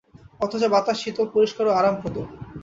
অথচ বাতাস শীতল, পরিষ্কার ও আরামপ্রদ।